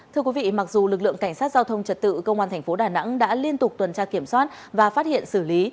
thưa quý vị mặc dù lực lượng cảnh sát giao thông trật tự công an thành phố đà nẵng đã liên tục tuần tra kiểm soát và phát hiện xử lý